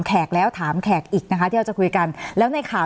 สนับสนุนโดยพี่โพเพี่ยวสะอาดใสไร้คราบ